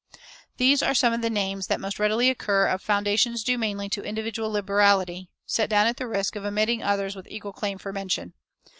These are some of the names that most readily occur of foundations due mainly to individual liberality, set down at the risk of omitting others with equal claim for mention.